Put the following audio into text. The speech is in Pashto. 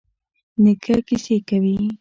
نیکه کیسې کوي.